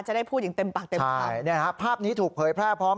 จะได้พูดอย่างเต็มปากเต็มความใช่เนี่ยฮะภาพนี้ถูกเผยแพร่พร้อม